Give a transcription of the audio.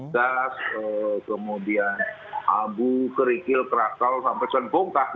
gas kemudian abu kerikil krakal sampai soal pokok